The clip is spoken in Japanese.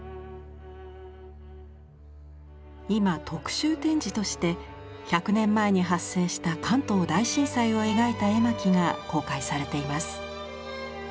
今特集展示として１００年前に発生した関東大震災を描いた絵巻が公開されています。